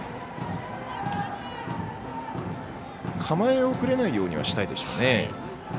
構え遅れないようにはしたいでしょうね。